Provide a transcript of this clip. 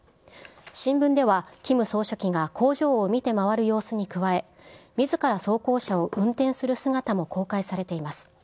新聞では、キム総書記が工場を見て回る様子に加え、みずから装甲車を運転する姿も公開されています。